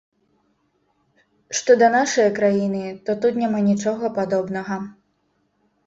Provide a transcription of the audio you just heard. Што да нашае краіны, то тут няма нічога падобнага.